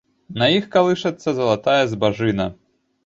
На іх калышацца залатая збажына.